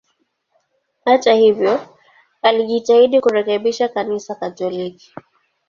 Hata hivyo, alijitahidi kurekebisha Kanisa Katoliki.